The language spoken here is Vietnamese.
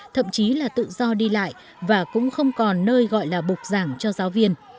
thậm chí là tự do đi lại và cũng không còn nơi gọi là bục giảng cho giáo viên